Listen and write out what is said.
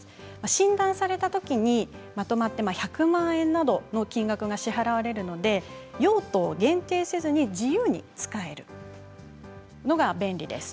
診断時にまとまって１００万円などの金額が支払われるので用途を限定せずに自由に使えるのが便利です。